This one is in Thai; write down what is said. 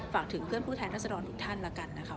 ฝากถึงเพื่อนผู้แทนรัศดรทุกท่านแล้วกันนะคะ